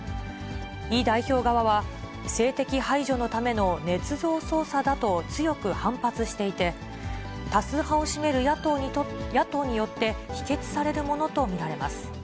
イ代表側は、政敵排除のためのねつ造捜査だと強く反発していて、多数派を占める野党によって、否決されるものと見られます。